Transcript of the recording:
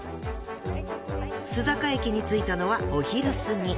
須坂駅に着いたのはお昼過ぎ。